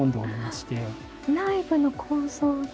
内部の構造が。